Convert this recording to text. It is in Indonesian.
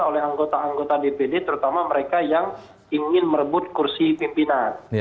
oleh anggota anggota dpd terutama mereka yang ingin merebut kursi pimpinan